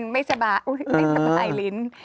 ไม่สบายริ้น